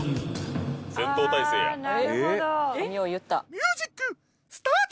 ミュージックスタート！